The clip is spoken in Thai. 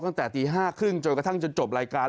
ตั้งแต่ตี๕๓๐จนกระทั่งจนจบรายการ